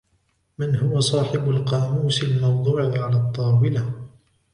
من هو صاحب القاموس الموضوع على الطاولة ؟